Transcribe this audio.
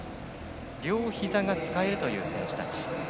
両ひざが使えるという選手たち。